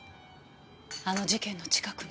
あの事件の近くの。